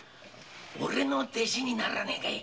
おれの弟子にならねえかい？